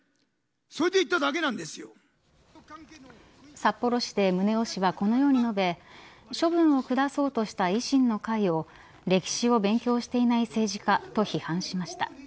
札幌市で宗男氏はこのように述べ処分を下そうとした維新の会を歴史を勉強していない政治家と批判しました。